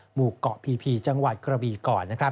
หมู่เกาะพีจังหวัดกระบีก่อน